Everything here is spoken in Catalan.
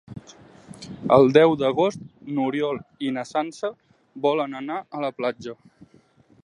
El deu d'agost n'Oriol i na Sança volen anar a la platja.